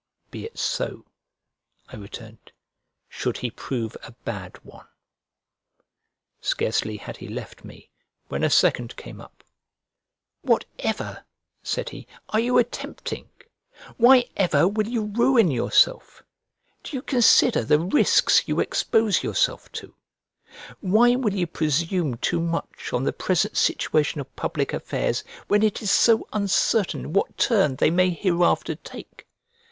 "Be it so," I returned, "should he prove a bad one." Scarcely had he left me when a second came up: "Whatever," said he, "are you attempting? Why ever will you ruin yourself? Do you consider the risks you expose yourself to? Why will you presume too much on the present situation of public affairs, when it is so uncertain what turn they may hereafter take?